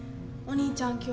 お兄ちゃん